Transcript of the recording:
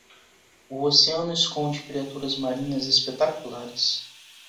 O oceano esconde criaturas marinhas espetaculares